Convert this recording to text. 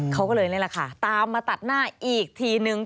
เขาก็เลยตามมาตัดหน้าอีกทีหนึ่ง